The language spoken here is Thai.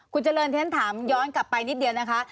คุณเจริญที่ฉันถามย้อนกลับไปนิดเดียวนะคะ